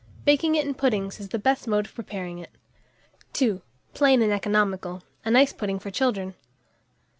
Baking it in puddings is the best mode of preparing it. II. (Plain and Economical; a nice Pudding for Children.)